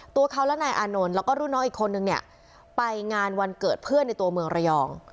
ตัวเขาและนายอานนท์แล้วก็รุ่นน้องอีกคนนึงเนี่ยไปงานวันเกิดเพื่อนในตัวเมืองระยอง